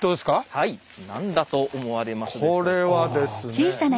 はい何だと思われますか？